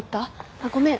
あっごめん。